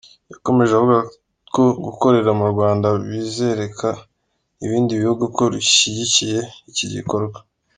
Yakomeje avuga ko “Gukorera mu Rwanda bizereka ibindi bihugu ko rushyigikiye iki gikorwa.